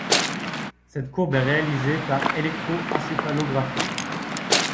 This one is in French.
Cette courbe est réalisée par électro-encéphalographie.